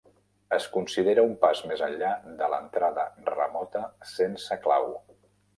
Es considera un pas més enllà de l'entrada remota sense clau.